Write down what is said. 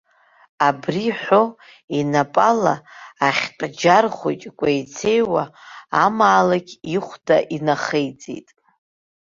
Абри ҳәо, инапала ахьтә џьар хәыҷ кәеицеиуа амаалықь ихәда инахеиҵеит.